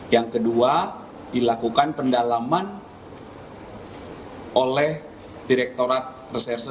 yang kedua dilakukan pendalaman oleh direkturat reserse